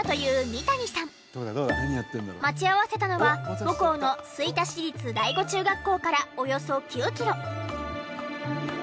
待ち合わせたのは母校の吹田市立第五中学校からおよそ９キロ。